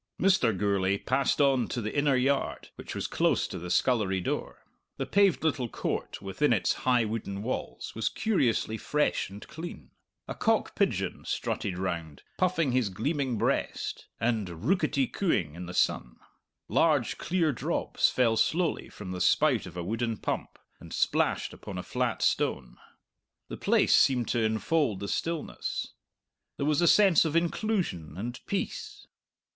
Mr. Gourlay passed on to the inner yard, which was close to the scullery door. The paved little court, within its high wooden walls, was curiously fresh and clean. A cock pigeon strutted round, puffing his gleaming breast and rooketty cooing in the sun. Large, clear drops fell slowly from the spout of a wooden pump, and splashed upon a flat stone. The place seemed to enfold the stillness. There was a sense of inclusion and peace.